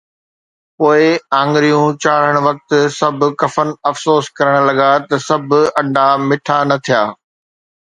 پوءِ آڱريون چاڙهڻ وقت سڀ ڪفن افسوس ڪرڻ لڳا ته سڀ انڊا مٺا نه ٿيا.